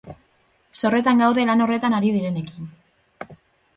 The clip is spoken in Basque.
Zorretan gaude lan horretan ari direnekin.